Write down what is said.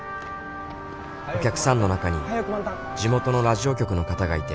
「お客さんの中に地元のラジオ局の方がいて」